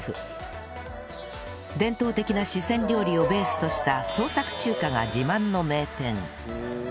伝統的な四川料理をベースとした創作中華が自慢の名店